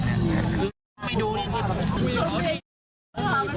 หยางอยู่